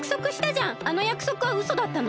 あのやくそくはうそだったの？